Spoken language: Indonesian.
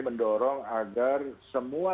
mendorong agar semua